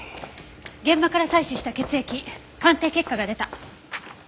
現場から採取した血液鑑定結果が出た。